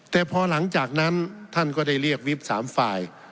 แต่พอหลังจากนั้นท่านก็ได้เรียกวิบ๓ฝ่าย